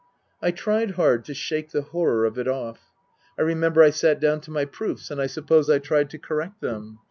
I tried hard to shake the horror of it off. I remember I sat down to my proofs, and I suppose I tried to correct them.